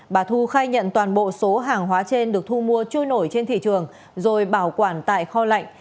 bà thu khai nhận toàn bộ số hàng hóa trên được thu mua trôi nổi trên thị trường rồi bảo quản tại kho lạnh